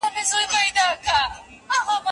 د دین ټولنپوهنه باورونه او عقاید ګوري.